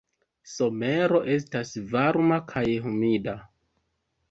Somero estas varma kaj humida.